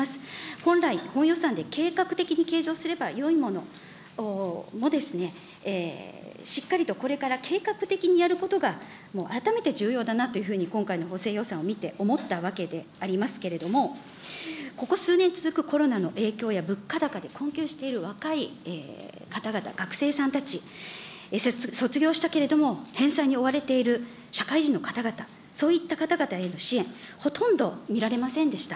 本来、本予算で計画的に計上すればよいものも、しっかりとこれから計画的にやることが、改めて重要だなというふうに今回の補正予算を見て思ったわけでありますけれども、ここ数年続くコロナの影響や物価高で困窮している若い方々、学生さんたち、卒業したけれども返済に追われている社会人の方々、そういった方々への支援、ほとんど見られませんでした。